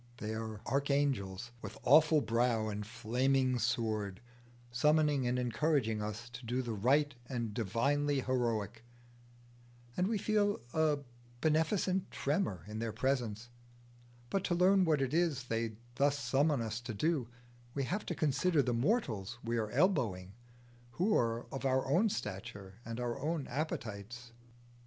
They are archangels with awful brow and flaming sword, summoning and encouraging us to do the right and the divinely heroic, and we feel a beneficent tremor in their presence; but to learn what it is they thus summon us to do, we have to consider the mortals we are elbowing, who are of our own stature and our own appetites.